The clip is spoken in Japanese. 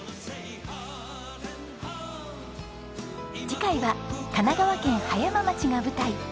次回は神奈川県葉山町が舞台。